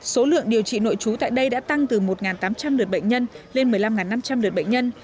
số lượng điều trị nội trú tại đây đã tăng từ một tám trăm linh lượt bệnh nhân lên một mươi năm năm trăm linh lượt bệnh nhân